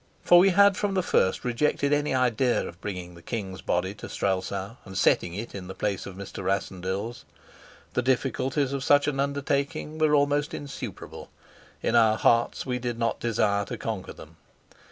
For we had from the first rejected any idea of bringing the king's body to Strelsau and setting it in the place of Mr. Rassendyll's. The difficulties of such an undertaking were almost insuperable; in our hearts we did not desire to conquer them.